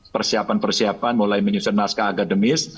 persiapan persiapan mulai menyusun maska agademis